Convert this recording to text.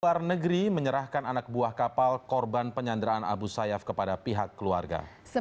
luar negeri menyerahkan anak buah kapal korban penyanderaan abu sayyaf kepada pihak keluarga